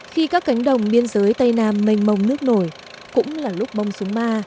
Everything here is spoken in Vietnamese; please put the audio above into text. khi các cánh đồng biên giới tây nam mênh mông nước nổi cũng là lúc bông súng ma